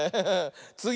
つぎ！